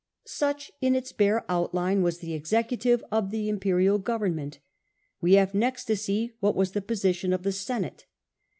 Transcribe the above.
Such in its bare outline was the executive of the im perial government. We have next to see what was the position of the Senate.